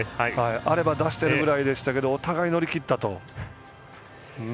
あれを出してるぐらいですけどお互い乗り切ったと。